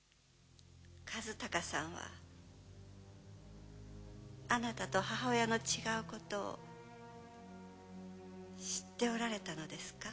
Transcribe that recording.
和鷹さんはあなたと母親の違うことを知っておられたのですか？